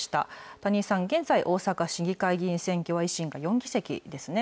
谷井さん、現在、大阪市議会議員選挙は、維新が４議席ですね。